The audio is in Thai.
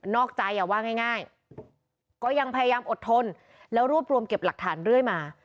อกใจอ่ะว่าง่ายก็ยังพยายามอดทนแล้วรวบรวมเก็บหลักฐานเรื่อยมา